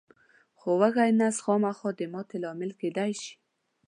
خو وږی نس خامخا د ماتې لامل کېدای شي.